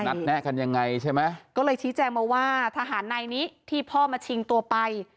แนะกันยังไงใช่ไหมก็เลยชี้แจงมาว่าทหารนายนี้ที่พ่อมาชิงตัวไป